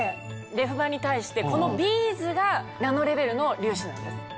レフ板に対してこのビーズがナノレベルの粒子なんです。